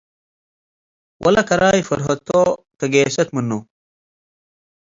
ወለከራይ ፈርሀቶ' ከጌሰት ምኑ'።